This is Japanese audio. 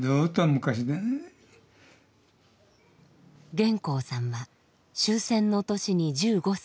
彦興さんは終戦の年に１５歳。